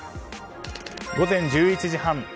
午前１１時半。